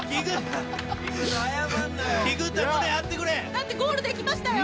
だってゴールできましたよ？